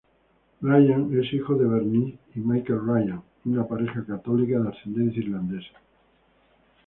Ryan es hijo de Bernice y Michael Ryan, una pareja católica de ascendencia irlandesa.